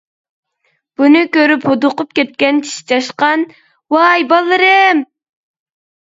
بۇنى كۆرۈپ ھودۇقۇپ كەتكەن چىشى چاشقان:-ۋاي بالىلىرىم!